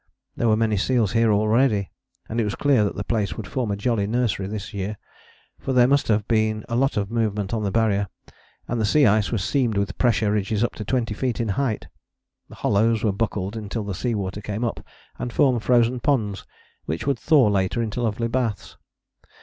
There were many seals here already, and it was clear that the place would form a jolly nursery this year, for there must have been a lot of movement on the Barrier and the sea ice was seamed with pressure ridges up to twenty feet in height. The hollows were buckled until the sea water came up and formed frozen ponds which would thaw later into lovely baths.